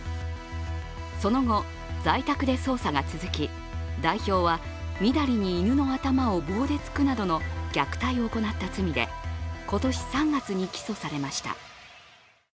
その後、在宅で捜査が続き代表はみだりに犬の頭を棒で突くなどの虐待を行った罪で今年３月に起訴されました。